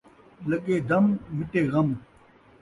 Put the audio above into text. لڳے دم ، مٹے غم